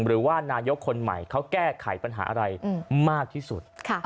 หรือว่านายกคนใหม่เขาแก้ไขปัญหาอะไรมากที่สุด